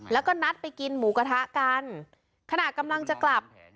แล้วก็นัดไปกินหมูกระทะกันขณะกำลังจะกลับ